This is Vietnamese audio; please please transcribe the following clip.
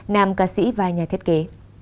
nam ca sĩ và nhà thiết kế